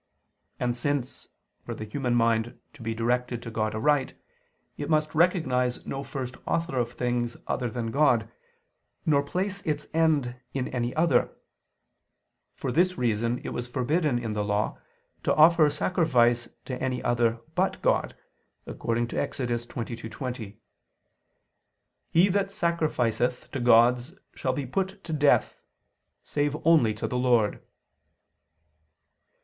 And since, for the human mind to be directed to God aright, it must recognize no first author of things other than God, nor place its end in any other; for this reason it was forbidden in the Law to offer sacrifice to any other but God, according to Ex. 22:20: "He that sacrificeth to gods, shall be put to death, save only to the Lord."